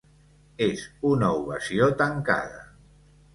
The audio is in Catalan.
És una ovació tancada.